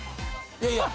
いやいや。